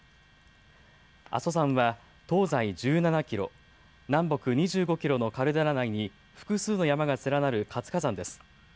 阿蘇山は東西１７キロ、南北２５キロのカルデラ内に複数の山が連なる活火山です。